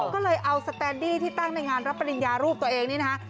ก็เลยเอาสแตนดี้ที่ตั้งในงานรับปริญญารูปตัวเองนี่นะคะ